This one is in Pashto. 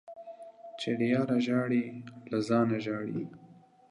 چي له ياره ژاړې ، له ځانه ژاړې.